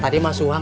terima kasih mak